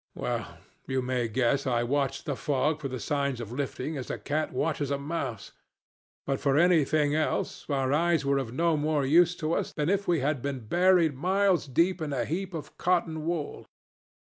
Well, you may guess I watched the fog for the signs of lifting as a cat watches a mouse; but for anything else our eyes were of no more use to us than if we had been buried miles deep in a heap of cotton wool.